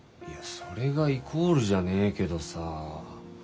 いやそれがイコールじゃねえけどさ。